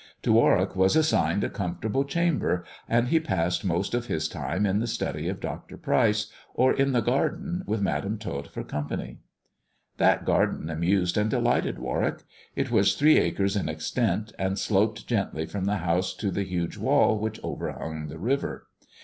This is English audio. To Warwick was assigned a comfortable chamber, and he passed most of his time in the study of Dr. Pryce, or in the garden, with Madam Tot for company. That garden amused and delighted Warwick. It was three acres in extent, and sloped gently from the house to the huge wall which overhung the river.